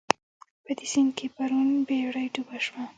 په دې سيند کې پرون بېړۍ ډوبه شوه